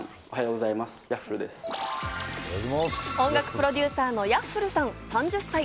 音楽プロデューサーのＹａｆｆｌｅさん、３０歳。